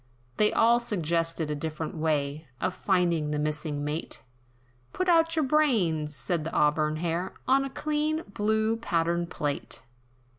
They all suggested, a different way, Of finding the missing Mate, "Put out your brains," said the auburn hair, "On a clean, blue pattern plate.